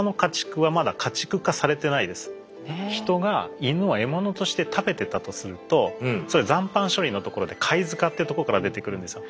ヒトがイヌを獲物として食べてたとするとそれは残飯処理のところで貝塚っていうとこから出てくるんですよ。